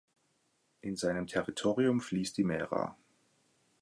In seinem Territorium fließt die Mera.